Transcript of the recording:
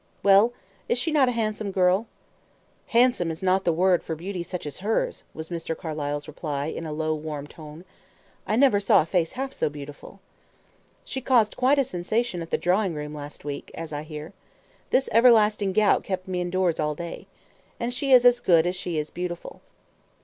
"Well, is she not a handsome girl?" he demanded. "Handsome is not the word for beauty such as hers," was Mr. Carlyle's reply, in a low, warm tone. "I never saw a face half so beautiful." "She caused quite a sensation at the drawing room last week as I hear. This everlasting gout kept me indoors all day. And she is as good as she is beautiful."